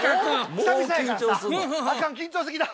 久々やからあかん緊張してきた。